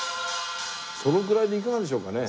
そのぐらいでいかがでしょうかね。